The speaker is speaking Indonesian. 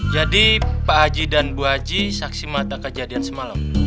pak haji dan bu haji saksi mata kejadian semalam